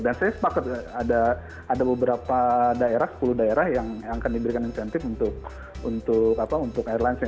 dan saya sepakat ada beberapa daerah sepuluh daerah yang akan diberikan insentif untuk airlinesnya